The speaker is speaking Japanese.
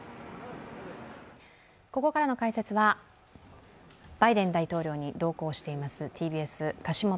ここからの解説はバイデン大統領に同行しています樫元